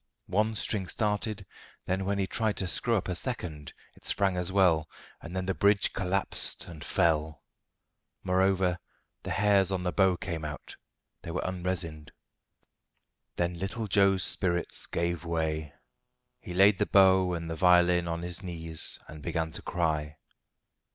One string started; then when he tried to screw up a second, it sprang as well, and then the bridge collapsed and fell. Moreover, the hairs on the bow came out. They were unresined. Then little Joe's spirits gave way. He laid the bow and the violin on his knees and began to cry.